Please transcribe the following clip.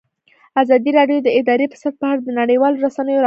ازادي راډیو د اداري فساد په اړه د نړیوالو رسنیو راپورونه شریک کړي.